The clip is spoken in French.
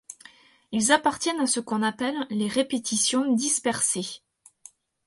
Ils appartiennent à ce qu'on appelle les répétitions dispersées.